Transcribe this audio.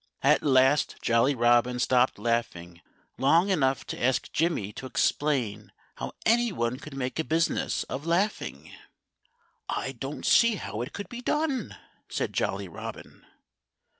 At last Jolly Robin stopped laughing long enough to ask Jimmy to explain how anyone could make a business of laughing. "I don't see how it could be done," said Jolly Robin.